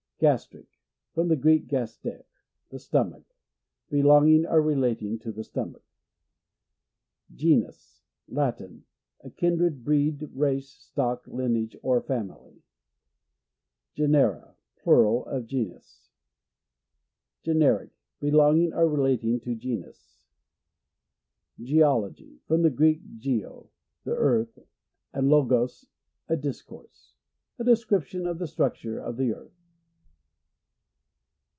Gastric. — From the Greek, gastcr, the stomach. Belonging or lela ting to the stomach. Genus. — Latin. A kindred, breed, race, stock, lineage, or family. Genera.— Plural of genus. Generic. — Belonging or relating to genus. Geology. — From the Greek, gc, the earth, and lopos, a discourse. A description of the structure of the earth.